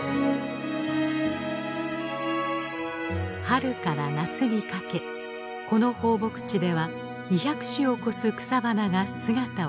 春から夏にかけこの放牧地では２００種を超す草花が姿を見せます。